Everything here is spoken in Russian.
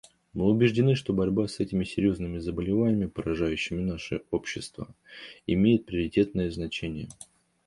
Мы убеждены, что борьба с этими серьезными заболеваниями, поражающими наши общества, имеет приоритетное значение.